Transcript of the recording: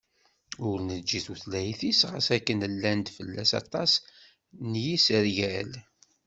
Ur neǧǧi tutlayt-is ɣas akken llan-d fell-as aṭas n yisergal.